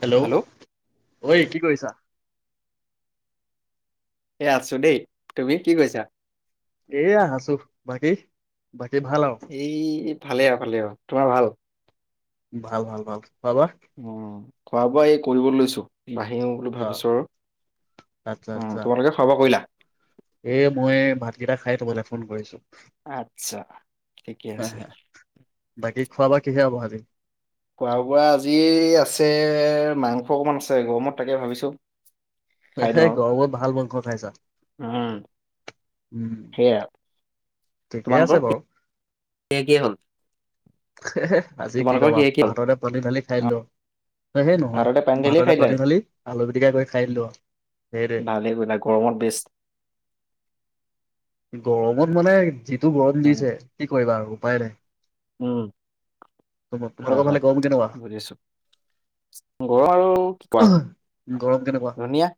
Hello ঐ কি কৈছে [inaudible] এ আছো দেই তুমি কি কৈছা এয়া আছোঁ বাকী বাক এইৰি [unintelligible] ভালে আহ ভালে আহ তোমাৰ ভাল ভাল ভাল ভাল পাবা অঁ খোৱা বোৱা এই কৰিব লৈছ ছো বাঢ়িম বুলি অ ভাবিছোঁ আৰু তোমালোকে খোৱা বোৱা কৰিলা? এ মই ভাতকেইটা খাই তোমালৈ ফোন কৰিছো। আটচ্ছা। ঠিকে আছে খাোৱা বোৱা কিহেৰে হ'ব আজি? খোৱা বোৱা আজি আছে মাংস অকমান আছে গৰমত থাকে ভাবিছো হে খাই হে দিওঁ আৰু গৰমত ভাল মাংস খাইছা উম উম সেয়া ঠিকেই আছে তোমালোকৰ বাৰু। কিহে কিহে হ'ল হে হে আজি কি তোমালোকৰ কবা কিহে কিহে হ'ল ভাততে পানী ঢালি খাইদিলো হয় সেই নহয়। ভাততে পানী ঢালিয়ে ভাততে পানী ঢালি আলু পিটিকা কৰি খাই দিলো আৰু। সেইটোৱে ভালেই গলা গৰমত বেছ গৰমত মানে যি যিটো গৰম দিছে কি কৰিবা আৰু উপায় নাই উম হয় তোমালোকৰ ফালে হয় গৰম কেনেকুৱা বুজিছো। গৰম আৰু কি কোৱা আৰু গৰম কেনেকুৱা ধুনীয়া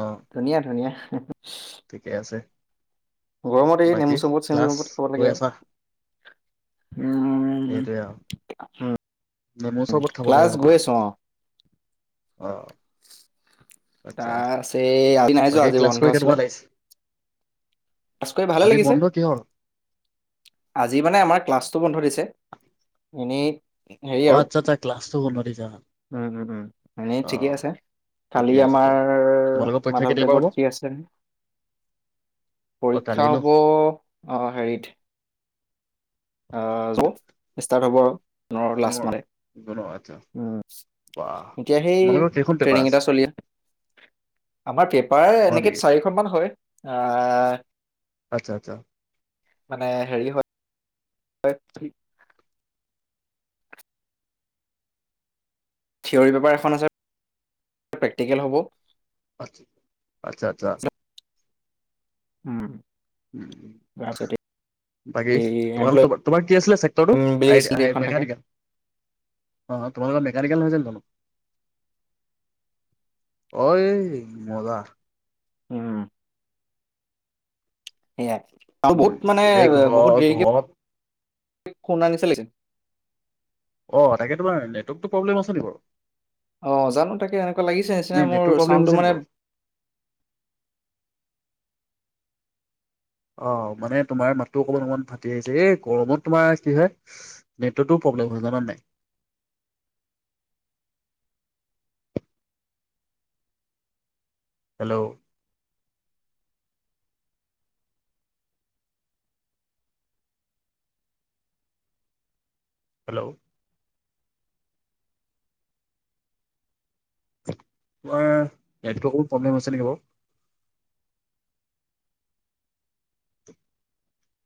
অ ধুনীয়া ধুনীয়া ঠিকে আছে গৰমত এই বাকী নেমু চেমু ক্লাছ চম্পত খাব লাগে আৰু উম, সেইটোয়ে আও নেমু চৰবত খাব লাগে ক্লাছ আ গৈ আছো বহুত অ', আহ তাৰছে আজি নাই যোৱা বাকী আজি ক্লাছ কৰি বন্ধ কেনেকুৱা আছিলে লাগিছে ক্লাছ কৰি ভালে আজি লাগিছে। বন্ধ কিহৰ আজি মানে আমাৰ ক্লাছ বন্ধ দিছে। এনেই- হেৰি অ আৰু আচ্ছা আচ্ছা ক্লাছটো ক দি যা উম উম উম এনেই ঠিকে আছে। কালি ঠিকে আছে তো আমাৰ তোমালোকৰ পৰীক্ষা কেতিয়াৰ পৰা হ'ব মাধৱদেৱৰ তিথি আছিলে নহয়। অ কালি পৰীক্ষা ন হ'ব অ হেৰিত আহ ষ্টাৰ্ট হ'ব আৰু লাষ্ট জুনৰ মানে। জুনৰ আচ্ছা উম বাহ এতিয়া সেই তোমালোকৰ কেইখন পেপাৰ ট্ৰেইনিং এটা চলি আছে। আমাৰ পেপাৰ হয় এনেকৈ নেকি চাৰিখনমান হয়। আ আচ্ছা আচ্ছা। মানে হেৰি হয় থিয়ৰী পেপাৰ এখন আছে, প্ৰেক্টিকেল হ'ব আ আচ্ছা আচ্ছা! উম। তাৰপিছত বাকী এই তোম তোমাৰ কি আছিলে চেক্টৰটো? এমপ্লয়মেণ্ট বুলি স্কিল আই এখন থাকে। মেকানিকেল? অ তোমালোকৰ মেকানিকেল নহয় জ জানো? অইই মজা। উম। সেইয়াই উম, এই ঘৰ ঘৰত তে খনা নিচিনা লাগিছে। অ', তাকে তোমাৰ নেটৱৰ্কটো প্ৰব্লেম আছে নেকি বাৰু? অ জানো তাকে এনেকুৱা লাগিছে নিচিনা নে মোৰ নেটটো প্ৰব্লেম চাউণ্ডটো হৈছে নি মানে বাৰু? অ', মানে তোমাৰ মাতটো অকমান অকমান ফাটি আহিছে এই গৰমত তোমাৰ কি হয় চি নেটটো প্ৰব্লেম হয় জানানে নাই? হেল্ল'। হেল্ল'। তোমাৰ নেটৱো অকমান প্ৰব্লেম আছে নেকি বাৰু?